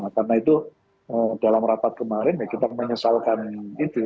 karena itu dalam rapat kemarin kita menyesalkan itu